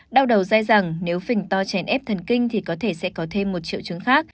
đau đầu dai rằng nếu phình to chèn ép thần kinh thì có thể sẽ có thêm một triệu chứng khác